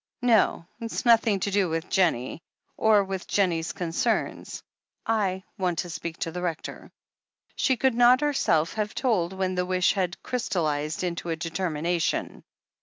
"No, it's nothing to do with Jennie or with Jennie's concerns. / want to speak to the Rector." She could not herself have told when the wish had crystallized into a determination.